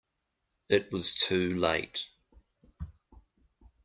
It was too late.